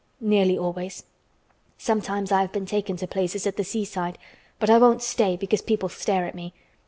"Nearly always. Sometimes I have been taken to places at the seaside, but I won't stay because people stare at me.